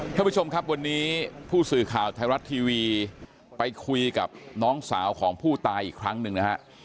ท่านผู้ชมครับวันนี้ผู้สื่อข่าวไทยรัฐทีวีไปคุยกับน้องสาวของผู้ตายอีกครั้งหนึ่งนะฮะ